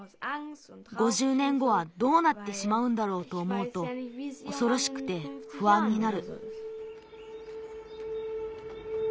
５０ねんごはどうなってしまうんだろうとおもうとおそろしくてふあんになる。